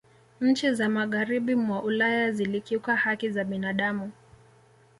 nchi za magharibi mwa ulaya zilikiuka haki za binadamu